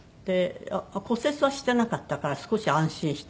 骨折はしてなかったから少し安心したんですけど。